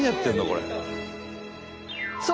これ。